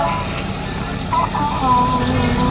在二号出口